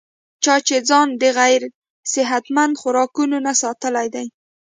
چا چې ځان د غېر صحتمند خوراکونو نه ساتلے دے